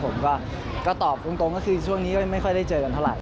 ผมก็ตอบตรงก็คือช่วงนี้ก็ไม่ค่อยได้เจอกันเท่าไห